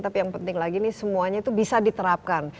tapi yang penting lagi ini semuanya itu bisa diterapkan